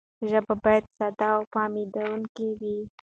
ژبه باید ساده او فهمېدونکې وي.